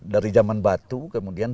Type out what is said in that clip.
dari jaman batu kemudian